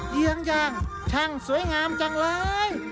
ยื้องทั้งสวยงามจังเลย